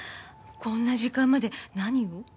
こんな時間まで何を？